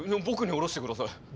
僕に降ろしてください。